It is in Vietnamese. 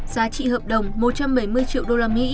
giá trị hợp đồng một trăm bảy mươi triệu usd